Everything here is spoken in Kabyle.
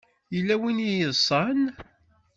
Yella win ay yeḍsan.